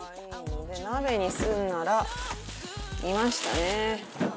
鍋にするならいましたね。